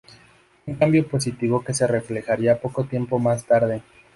Un cambio positivo que se reflejaría poco tiempo más tarde.